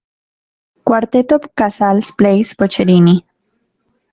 Cuarteto Casals plays Boccherini.